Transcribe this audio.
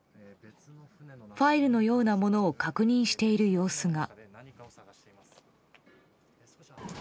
ファイルのようなものを確認している様子が。